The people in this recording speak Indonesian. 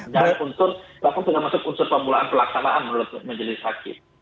dan unsur bahkan juga masuk unsur pemulaan perlaksanaan menurut majelis hakim